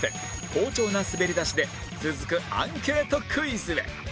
好調な滑り出しで続くアンケートクイズへ